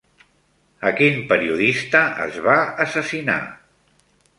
A quin periodista es va assassinar?